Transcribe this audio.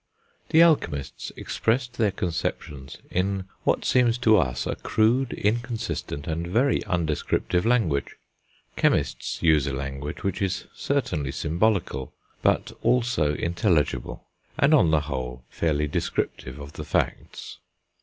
The alchemists expressed their conceptions in what seems to us a crude, inconsistent, and very undescriptive language. Chemists use a language which is certainly symbolical, but also intelligible, and on the whole fairly descriptive of the facts.